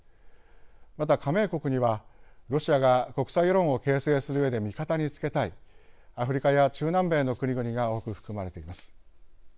また加盟国にはロシアが国際世論を形成するうえで味方につけたいアフリカや中南米の国々が多く含まれています。